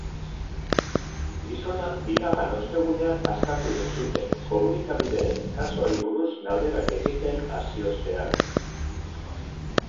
Gizona iragan ostegunean askatu egin zuten komunikabideek kasuari buruz galderak egiten hasi ostean.